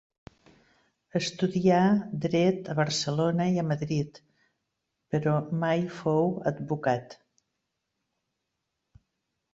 Estudià dret a Barcelona i a Madrid, però mai fou advocat.